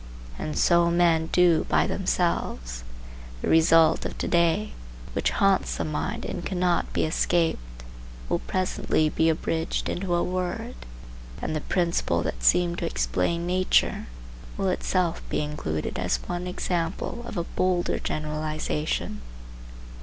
And so men do by themselves. The result of to day, which haunts the mind and cannot be escaped, will presently be abridged into a word, and the principle that seemed to explain nature will itself be included as one example of a bolder generalization.